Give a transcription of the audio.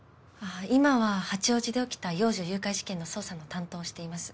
今は八王子で起きた幼女誘拐事件の捜査の担当をしています。